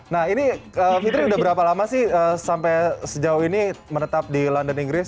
nah ini fitri udah berapa lama sih sampai sejauh ini menetap di london inggris